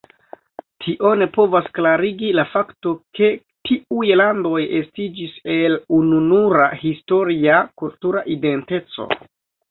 Tion povas klarigi la fakto, ke tiuj landoj estiĝis el ununura historia kultura identeco.